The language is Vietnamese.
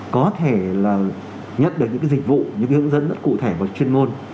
có thể là nhận được những cái dịch vụ những cái hướng dẫn rất cụ thể và chuyên ngôn